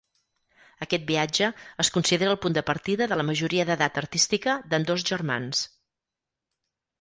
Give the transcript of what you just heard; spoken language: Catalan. Aquest viatge es considera el punt de partida de la majoria d'edat artística d'ambdós germans.